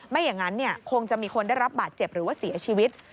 ไม่อย่างนั้นคงจะมีคนได้รับบาดเจ็บหรือว่าเสียชีวิต